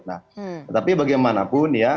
nah tapi bagaimanapun ya